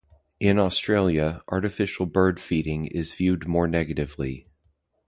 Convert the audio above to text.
In Australia, artificial bird feeding is viewed more negatively.